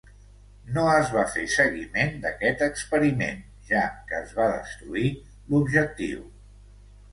No es va fer seguiment d'aquest experiment, ja que es va destruir l'objectiu.